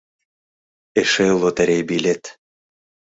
Эше лотерей билет.